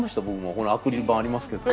このアクリル板ありますけど。